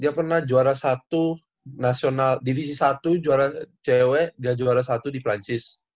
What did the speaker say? dia pernah juara satu nasional divisi satu juara cewek dia juara satu di perancis